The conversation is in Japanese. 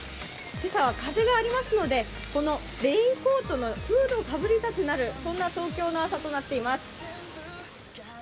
今朝は風がありますのでレインコートのフードをかぶりたくなるそんな東京の朝となっています。